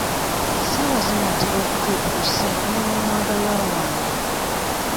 Essaawa zinaatera okutuuka tusisinkane n'omwagalwa wange.